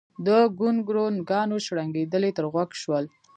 د ګونګرونګانو شړنګېدل يې تر غوږ شول